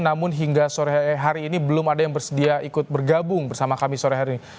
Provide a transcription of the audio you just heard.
namun hingga sore hari ini belum ada yang bersedia ikut bergabung bersama kami sore hari ini